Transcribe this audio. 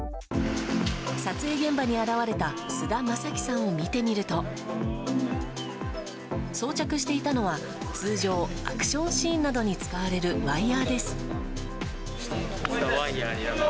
撮影現場に現れた菅田将暉さんを見てみると装着していたのは通常アクションシーンなどに使われるワイヤです。